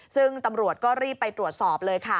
ซึ่งตำรวจก็รีบไปตรวจสอบเลยค่ะ